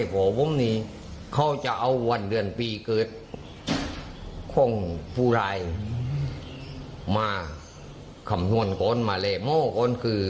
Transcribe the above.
พื้นมาคำนวณคนมาเล่โม่คน